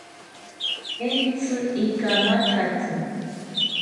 Entzi ikamathatzi